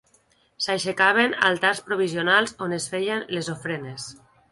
S'aixecaven altars provisionals on es feien les ofrenes.